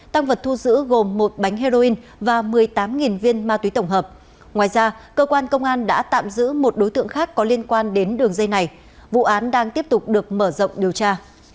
tăng vật thu giữ gồm một bánh heroin và một mươi tám viên ma túy tổng hợp ngoài ra cơ quan công an đã tạm giữ một đối tượng khác có liên quan đến đường dây này vụ án đang tiếp tục được mở rộng điều tra